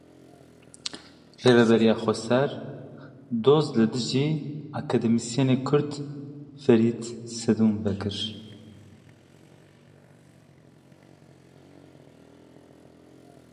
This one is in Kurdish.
Rêveberiya Xweser doz li dijî akademîsyenê Kurd Ferîd Sedûn vekir.